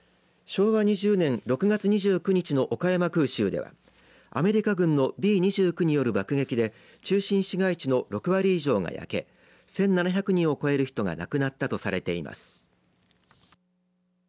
昭和２０年６月２９日の岡山空襲ではアメリカ軍のＢ２９による爆撃で中心市街地の６割以上が焼け１７００人を超える人が亡くなったとされています。